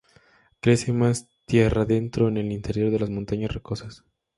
Crece más tierra adentro, en el interior de las Montañas Rocosas.